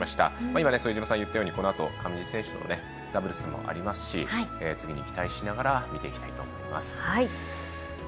今、副島さんが言ったようにこのあと、上地選手とのダブルスもありますし次に期待しながら見ていきたいと思います。